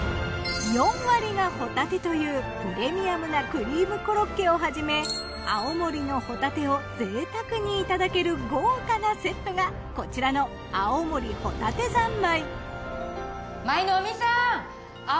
４割がホタテというプレミアムなクリームコロッケをはじめ青森のホタテを贅沢にいただける豪華なセットがこちらの青森ホタテ三昧。